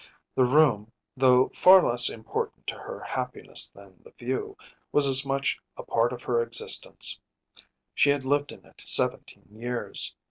The room, though far less important to her happiness than the view, was as much a part of her existence. She had lived in it seventeen years.